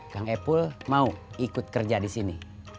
kang epul mau ikut kerja di sini